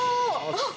あっ。